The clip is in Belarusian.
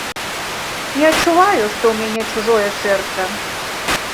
Не адчуваю, што ў мяне чужое сэрца.